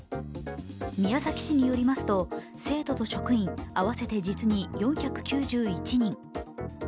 宮崎市によりますと、生徒と職員合わせて実に４９１人。